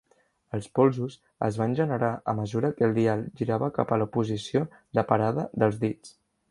Els polsos es van generar a mesura que el dial girava cap a la posició de parada dels dits.